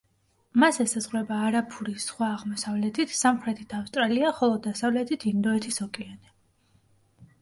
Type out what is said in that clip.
მას ესაზღვრება არაფურის ზღვა აღმოსავლეთით, სამხრეთით ავსტრალია, ხოლო დასავლეთით ინდოეთის ოკეანე.